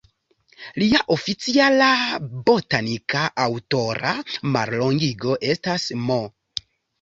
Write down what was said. Lia oficiala botanika aŭtora mallongigo estas "M.".